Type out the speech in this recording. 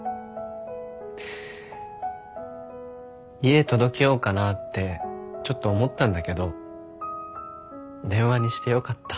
家届けようかなってちょっと思ったんだけど電話にしてよかった。